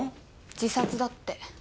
自殺だって。